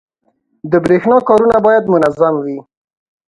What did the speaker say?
• د برېښنا کارونه باید منظم وي.